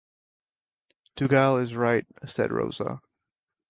"Dougal is right," said Rosa.